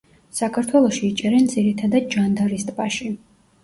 საქართველოში იჭერენ ძირითადად ჯანდარის ტბაში.